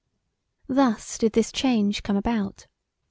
Thus did this change come about.